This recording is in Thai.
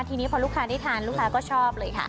ทีนี้พอลูกค้าได้ทานลูกค้าก็ชอบเลยค่ะ